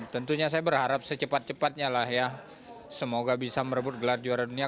tentunya saya berharap secepat cepatnya lah ya semoga bisa merebut gelar juara dunia